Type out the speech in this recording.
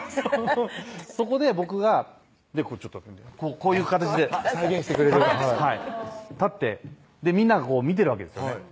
そこで僕がちょっとこういう形で再現してくれる立ってみんながこう見てるわけですね